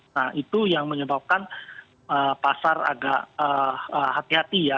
nah itu yang menyebabkan pasar agak hati hati ya